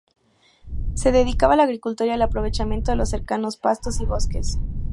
Se dedicaba a la agricultura y al aprovechamiento de los cercanos pastos y bosques.